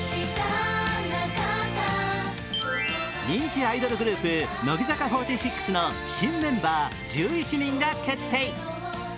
人気アイドルグループ乃木坂４６の新メンバー１１人が決定。